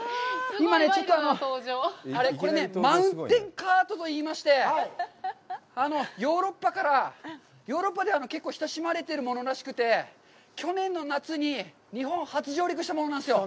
今ね、ちょっと、これね、マウンテンカートといいまして、ヨーロッパからヨーロッパでは結構親しまれているものらしくて、去年の夏に日本初上陸したものなんですよ。